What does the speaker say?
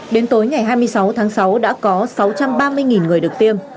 đến tối ngày hai mươi sáu tháng sáu đã có sáu trăm ba mươi người được tiêm